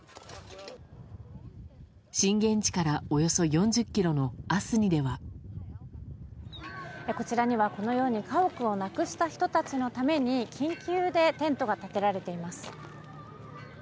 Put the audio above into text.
震源地からおよそ４０キロのアスこちらにはこのように、家屋をなくした人たちのために、緊急でテントが建てられています。